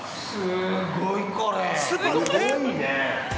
◆すごいね。